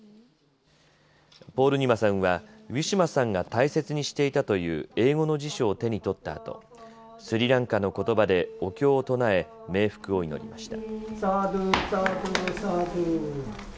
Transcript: ポールニマさんはウィシュマさんが大切にしていたという英語の辞書を手に取ったあとスリランカのことばでお経を唱え、冥福を祈りました。